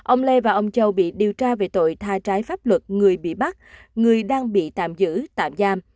ông lê và ông châu bị điều tra về tội tha trái pháp luật người bị bắt người đang bị tạm giữ tạm giam